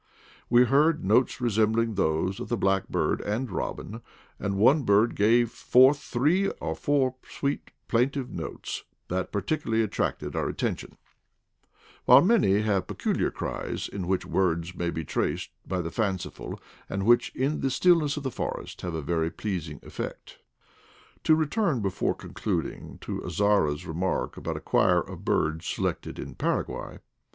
We heard notes resembling those of the blackbird and robin, and one bird gave forth three or four sweet plain tive notes that particularly attracted our atten tion; while many have peculiar cries, in which words may be traced by the fanciful, and which in the stillness of the forest have a very pleasing effect. 1 ' To return, before concluding, to Azara's remark about a choir of birds selected in Paraguay.